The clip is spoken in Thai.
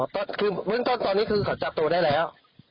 อ๋อตอนนี้คือเขาจับตัวได้แล้ว